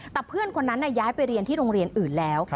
แต่เพื่อนคนนั้นย้ายไปเรียนที่โรงเรียนอื่นแล้ว